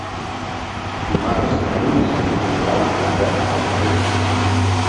Dimarts na Dúnia i en Grau aniran a Agullent.